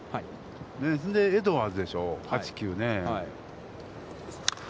それでエドワーズでしょう、８、９ね。